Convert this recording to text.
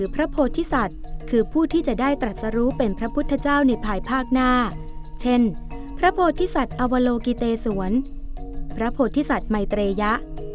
พระพุทธศาสตร์ในภายภาคหน้าเช่นพระพโทษศัตริย์อวโลกิเตสวนพระโทษศัตริย์ไมเตรยะ